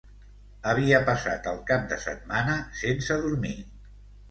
Havia passat el cap de setmana sense dormir.